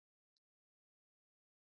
پروړ په ژمی کی ګران شی.